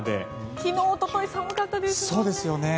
昨日おととい寒かったですもんね。